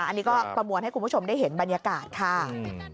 อันนี้ก็ประมวลให้คุณผู้ชมได้เห็นบรรยากาศค่ะ